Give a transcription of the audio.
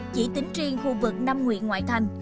chỉ tính riêng khu vực năm nguyện ngoại thành